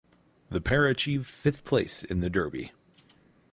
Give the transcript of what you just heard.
The pair achieved fifth place in the Derby.